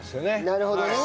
なるほどね。